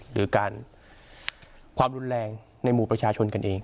หรือการความรุนแรงในหมู่ประชาชนกันเอง